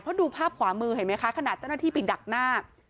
เพราะดูภาพขวามือเห็นไหมคะขณะเจ้าหน้าที่ไปดักหน้า